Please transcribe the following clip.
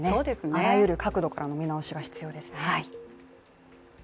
あらゆる角度からの見直しが必要ですね。